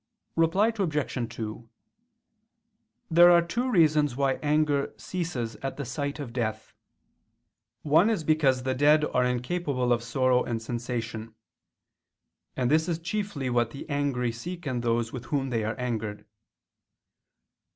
Reply Obj. 2: There are two reasons why anger ceases at the sight of death. One is because the dead are incapable of sorrow and sensation; and this is chiefly what the angry seek in those with whom they are angered.